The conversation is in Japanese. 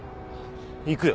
行くよ。